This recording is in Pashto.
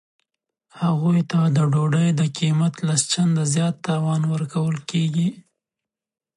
هغوی ته د ډوډۍ د قیمت لس چنده زیات تاوان ورکول کیږي